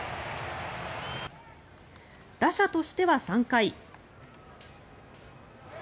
打者としては３回。